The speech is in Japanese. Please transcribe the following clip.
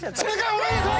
おめでとう！